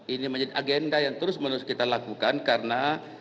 ini menjadi agenda yang terus menerus kita lakukan karena